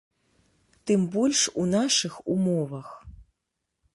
Тым больш у нашых умовах.